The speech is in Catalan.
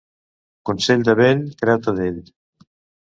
Consell de vell, creu-te d'ell.